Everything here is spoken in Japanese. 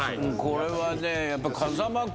これはね。